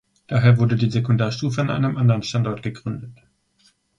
Daher wurde die Sekundarstufe an einem anderen Standort gegründet.